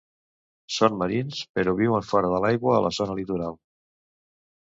Són marins, però viuen fora de l’aigua, a la zona litoral.